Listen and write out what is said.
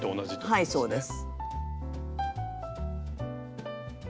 はいそうです。